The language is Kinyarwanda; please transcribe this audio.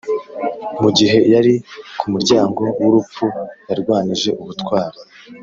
mugihe yari kumuryango wurupfu yarwanije ubutwari